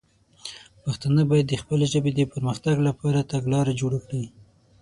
پښتانه باید د خپلې ژبې د پر مختګ لپاره تګلاره جوړه کړي.